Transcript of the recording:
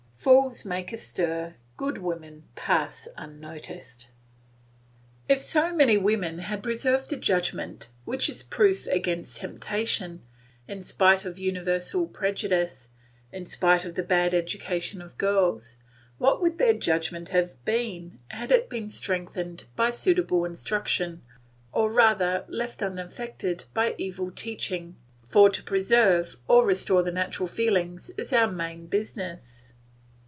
Fools make a stir; good women pass unnoticed. If so many women preserve a judgment which is proof against temptation, in spite of universal prejudice, in spite of the bad education of girls, what would their judgment have been, had it been strengthened by suitable instruction, or rather left unaffected by evil teaching, for to preserve or restore the natural feelings is our main business?